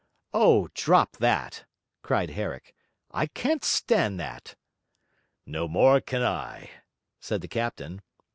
'O, drop that!' cried Herrick, 'I can't stand that.' 'No more can I,' said the captain.